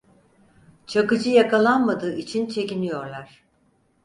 Çakıcı yakalanmadığı için çekiniyorlar…